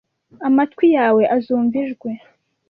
amatwi yawe azumva ijwi